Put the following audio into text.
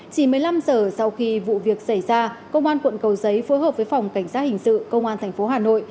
chỉ một mươi năm giờ sau khi vụ việc xảy ra công an tp hà nội đã áp dụng các biện pháp hiệp vụ